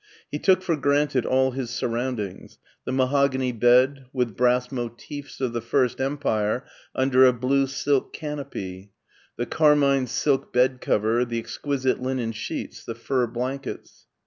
He took for granted all his surroundings : the mahogany bed, with brass motifs of the first Empire under a blue silk canopy, the carmine silk bed cover, the ex quisite linen, sheets, the fur blankets.